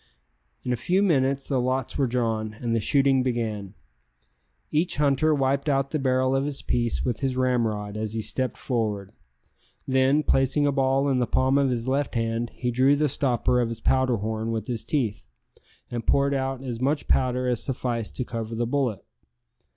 In a few minutes the lots were drawn, and the shooting began. Each hunter wiped out the barrel of his piece with his ramrod as he stepped forward; then, placing a ball in the palm of his left hand, he drew the stopper of his powder horn with his teeth, and poured out as much powder as sufficed to cover the bullet.